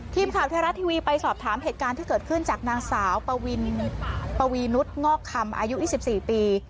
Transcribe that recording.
ทีมข่าวไทยรัฐทีวีไปสอบถามเหตุการณ์ที่เกิดขึ้นจากนางสาวปวินปวีนุษย์งอกคำอายุ๒๔ปี